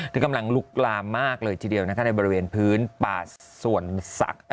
ที่กำลังลุกลามมากเลยทีเดียวนะคะในบริเวณพื้นป่าส่วนศักดิ์